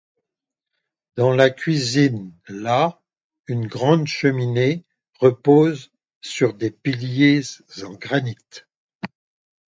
Dans la cuisine la une grande cheminée repose sur des piliers en granit.